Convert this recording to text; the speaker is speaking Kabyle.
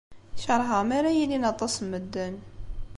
Keṛheɣ mi ara ilin aṭas n medden.